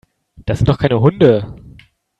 Das sind doch keine Hunde.